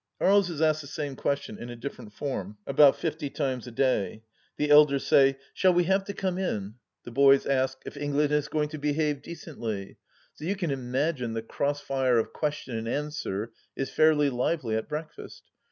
Aries is asked the same question in a different form about fifty times a day. The elders say, " Shall we have to come THE LAST DITCH 83 in ?" The boys ask " if England is going to behave de cently." So you can imagine the cross fire of question and answer is fairly lively at breakfast.